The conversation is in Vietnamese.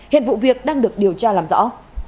hiện vụ việc đang được điều tra làm rõ